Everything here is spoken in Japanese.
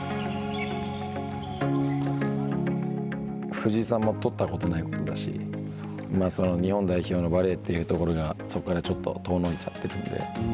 藤井さんも取ったことがないし日本代表のバレーというところがそこからちょっと遠のいちゃったので。